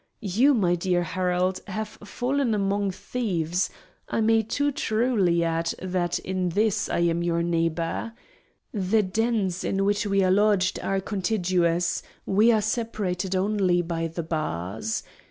You, my dear Harold, have fallen among thieves; I may too truly add that in this I am your neighbour. The dens in which we are lodged are contiguous; we are separated only by the bars.